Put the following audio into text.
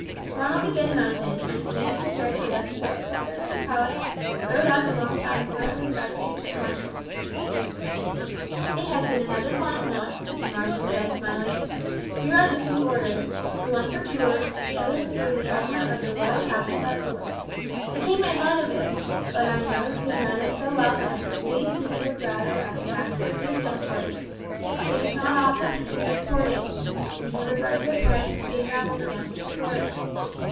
Ronald again mounted, and as soon as the carriage had left the great courtyard of the palace, rode up alongside and poured out his gratitude to the marshal. "It has been another Fontenoy," the marshal said smiling. "Here are the two orders, the one for Tours, the other for the governor of the royal castle at Blois. The king made light of it; but I know his manner so well that I could see he would rather that I had asked for a dukedom for you. It is not often that kings are thwarted, and he regards your parents as being rebels against his authority.